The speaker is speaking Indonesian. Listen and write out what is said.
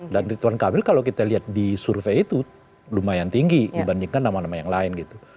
dan ridwan kamil kalau kita lihat di survei itu lumayan tinggi dibandingkan nama nama yang lain gitu